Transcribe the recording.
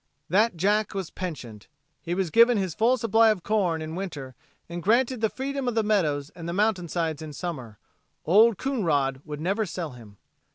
That jack was pensioned. He was given his full supply of corn in winter and granted the freedom of the meadows and the mountainsides in summer. Old Coonrod would never sell him.